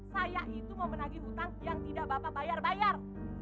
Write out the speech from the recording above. saya itu memenangi hutang yang tidak bapak bayar bayar